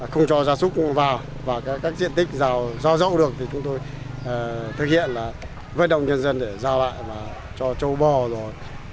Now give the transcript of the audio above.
không cho gia súc vào và các diện tích giao rộng được thì chúng tôi thực hiện là vấn đồng nhân dân để giao lại và cho châu bò rồi